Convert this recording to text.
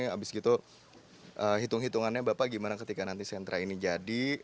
habis gitu hitung hitungannya bapak gimana ketika nanti sentra ini jadi